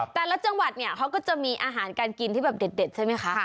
แต่ละจังหวัดเนี่ยเขาก็จะมีอาหารการกินที่แบบเด็ดใช่ไหมคะ